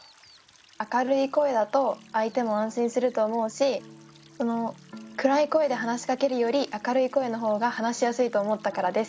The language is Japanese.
明るい声だと相手も安心すると思うし暗い声で話しかけるより明るい声の方が話しやすいと思ったからです。